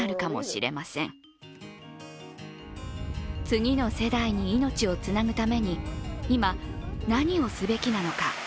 次の世代に命をつなぐために、今、何をすべきなのか。